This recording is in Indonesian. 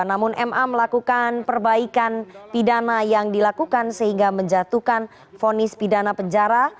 namun ma melakukan perbaikan pidana yang dilakukan sehingga menjatuhkan fonis pidana penjara